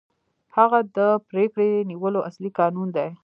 هغه د پرېکړې نیولو اصلي کانون دی.